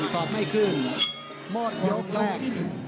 หมวดยกแรก